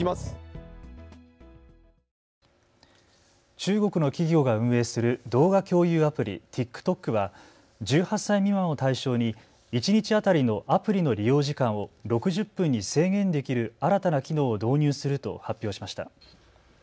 中国の企業が運営する動画共有アプリ、ＴｉｋＴｏｋは１８歳未満を対象に一日当たりのアプリの利用時間を６０分に制限できる新たな機能を導入すると発表しました。